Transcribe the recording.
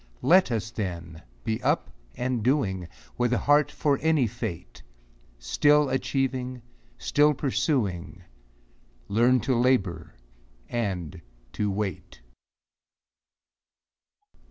Let us, then, be up and doing, With a heart for any fate ; Still achieving, still pursuing, Learn to labor and to wait.